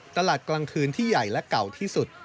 ตลาดกลางคืนที่ใหญ่และเก่าที่สุด